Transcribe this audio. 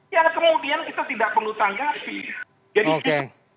jadi kita tidak perlu tanggapi protes itu